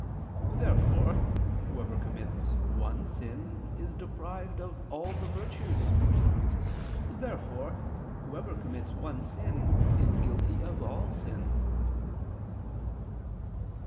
Therefore whoever commits one sin, is deprived of all the virtues. Therefore whoever commits one sin, is guilty of all sins.